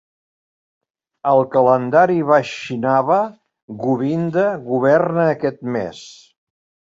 Al calendari Vaishnava, Govinda governa aquest mes.